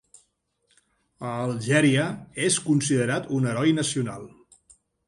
A Algèria és considerat un heroi nacional.